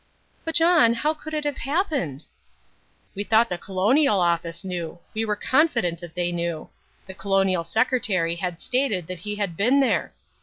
"But, John, how could it have happened?" "We thought the Colonial Office knew. We were confident that they knew. The Colonial Secretary had stated that he had been there.